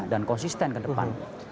dan konsisten ke depan